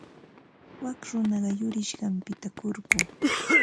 Wak runaqa yurisqanpita kurku.